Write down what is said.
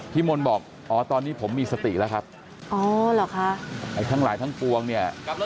พี่มนต์บอกอ๋อตอนนี้ผมมีสติแล้วครับทั้งหลายทั้งปวงเนี่ย